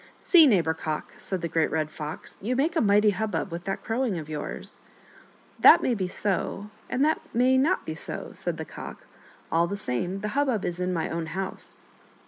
" See, Neighbor Cock," said the Great Red Fox, " you make a mighty hubbub with that crowing of yours." " That may be so, and that may not be so," said the Cock ;" all the same, the hubbub is in my own house."